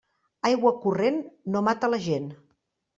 Aigua corrent no mata la gent.